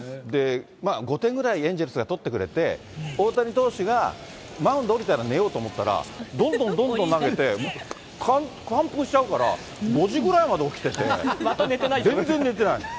５点ぐらいエンゼルスが取ってくれて、大谷投手がマウンド降りたら寝ようと思ったら、どんどんどんどん、完封しちゃうから、５時ぐらいまで起きてて、全然寝てないの。